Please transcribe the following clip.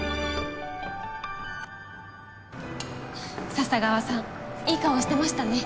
笹川さんいい顔してましたね。